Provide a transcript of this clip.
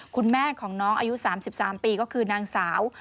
คุณแม่ของน้องอายุ๓๓ปีก็คือนางสาว